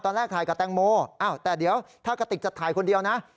ตอนแรกถ่ายกับแตงโมแต่เดี๋ยวถ้ากะติกจะถ่ายคนเดียวนะ